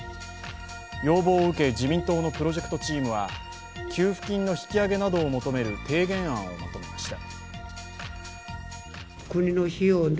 要望を受け、自民党のプロジェクトチームは給付金の引き上げなどを求める提言案をまとめました。